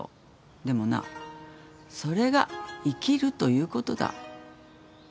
でもなそれが生きるということだ。